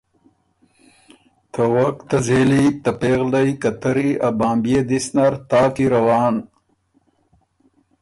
ته وک ته ځېلی ته پېغلئ قطري ا بامبيې دِست نر تاک کی روان،